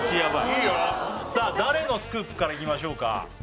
さあ誰のスクープからいきましょうか。